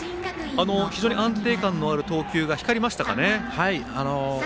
非常に安定感のある投球が光りましたかね。